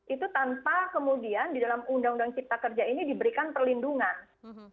itu tanpa kemudian di dalam undang undang cipta kerja ini diberikan perlindungan